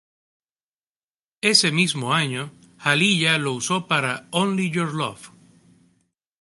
Ese mismo año, Aaliyah lo usó para "Only Your Love".